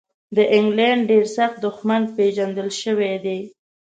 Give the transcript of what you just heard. د انګلینډ ډېر سخت دښمن پېژندل شوی دی.